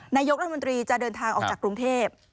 นายกรัฐมนตรีจะเดินทางออกจากกรุงเทพ